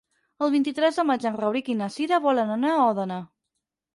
El vint-i-tres de maig en Rauric i na Cira volen anar a Òdena.